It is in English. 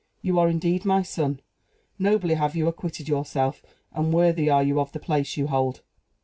"You are indeed my son! Nobly have you acquitted yourself, and worthy are you of the place you hold!"